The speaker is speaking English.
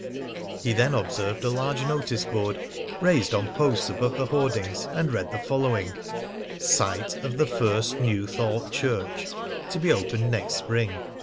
He then observed a large noticeboard, raised on posts above the hoardings, and read the following: _Site of the First New Thought Church to be opened next Spring.